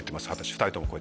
２人とも。